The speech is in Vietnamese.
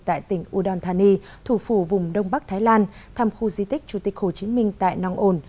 tại tỉnh udon thani thủ phủ vùng đông bắc thái lan thăm khu di tích chủ tịch hồ chí minh tại nong on